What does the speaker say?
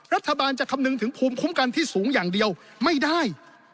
รัฐบาลจะคำนึงถึงภูมิคุ้มกันที่สูงอย่างเดียวไม่ได้